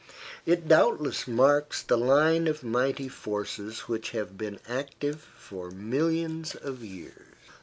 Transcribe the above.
It doubtless marks the line of mighty forces which have been active for millions of years.